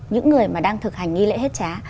những người mà đang thực hành nghi lễ hết trá